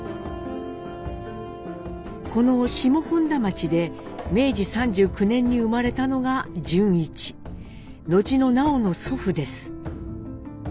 この下本多町で明治３９年に生まれたのが潤一後の南朋の祖父です。